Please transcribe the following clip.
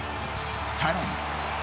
さらに。